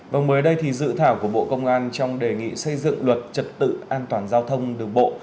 và mới đây thì dự thảo của bộ công an trong đề nghị xây dựng luật trật tự an toàn giao thông đường bộ